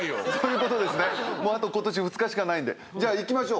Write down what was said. もうあと今年２日しかないんでじゃあいきましょう。